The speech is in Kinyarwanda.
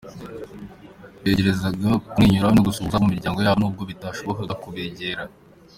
Begeragezaga kumwenyura no gusuhuza abo mu miryango yabo nubwo bitashobokaga kubegera .